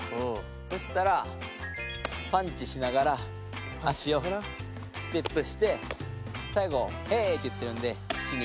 そしたらパンチしながら足をステップしてさいごヘーイって言ってるんで口に。